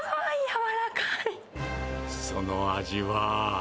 その味は。